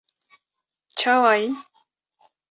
Çawa yî?